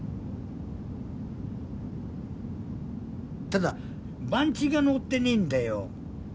ただ番地が載ってねえんだよ。